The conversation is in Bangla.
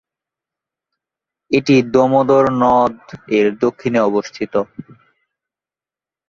এটি দামোদর নদ-এর দক্ষিণে অবস্থিত।